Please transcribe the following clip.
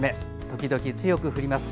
時々強く降ります。